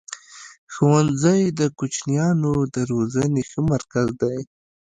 ښوونځی د کوچنیانو د روزني ښه مرکز دی.